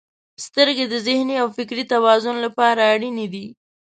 • سترګې د ذهني او فزیکي توازن لپاره اړینې دي.